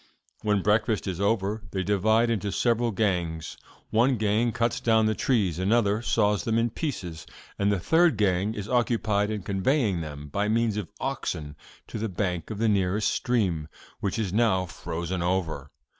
When breakfast is over, they divide into several gangs. One gang cuts down the trees, another saws them in pieces, and the third gang is occupied in conveying them, by means of oxen, to the bank of the nearest stream, which is now frozen over.